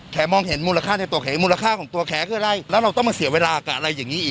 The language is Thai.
มองเห็นมูลค่าในตัวแขมูลค่าของตัวแขคืออะไรแล้วเราต้องมาเสียเวลากับอะไรอย่างนี้อีก